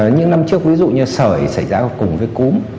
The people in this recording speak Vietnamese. những năm trước ví dụ như sởi xảy ra cùng với cúm